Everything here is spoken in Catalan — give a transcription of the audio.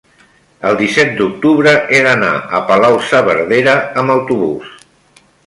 el disset d'octubre he d'anar a Palau-saverdera amb autobús.